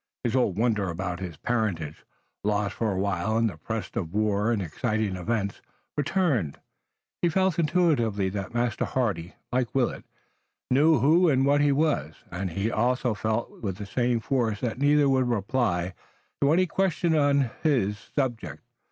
His old wonder about his parentage, lost for a while in the press of war and exciting events, returned. He felt intuitively that Master Hardy, like Willet, knew who and what he was, and he also felt with the same force that neither would reply to any question of his on the subject.